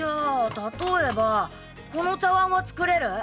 例えばこの茶碗は作れる？